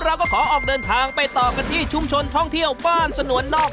เราก็ขอออกเดินทางไปต่อกันที่ชุมชนท่องเที่ยวบ้านสนวนนอก